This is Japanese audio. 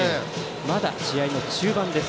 まだ試合の中盤です。